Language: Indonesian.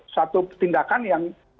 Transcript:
satu tindakan yang